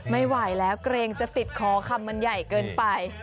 ไม่ไหวแล้วเกรงจะติดคอคำมันใหญ่เกินไป